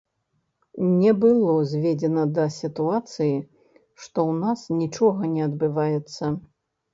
Не было зведзена да сітуацыі, што ў нас нічога не адбываецца.